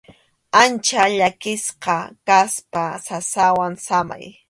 Ancha llakisqa kaspa sasawan samay.